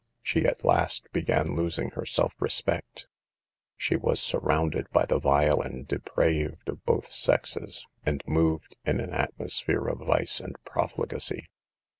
She at last began losing her self respect. She was surrounded by the vile and depraved of both sexes, and moved in an atmosphere of vice and profligacy.